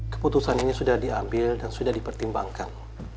keputusan ini sudah diambil dan sudah dipertimbangkan